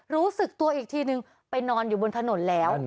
รู้สึกตัวอีกทีนึงไปนอนอยู่บนถนนแล้ว